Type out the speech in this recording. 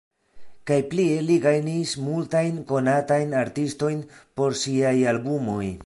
Kaj plie li gajnis multajn konatajn artistojn por siaj albumoj.